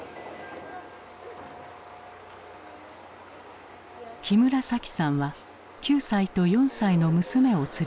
木村沙季さんは９歳と４歳の娘を連れて電車に乗った。